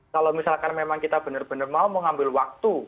kalau misalkan memang kita benar benar mau mengambil waktu